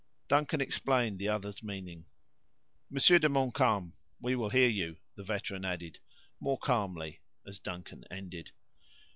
Duncan explained the other's meaning. "Monsieur de Montcalm, we will hear you," the veteran added, more calmly, as Duncan ended.